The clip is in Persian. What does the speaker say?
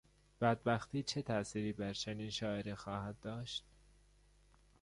بدبختی چه تاءثیری بر چنین شاعری خواهد داشت؟